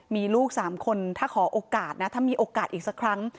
มีลูก๓คนถ้าขอโอกาสนะถ้ามีโอกาสอีกสักครั้ง